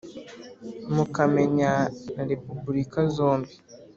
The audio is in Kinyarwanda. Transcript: mukamenya na repubulika zombi